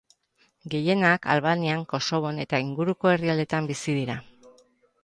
Gehienak Albanian, Kosovon eta inguruko herrialdetan bizi dira.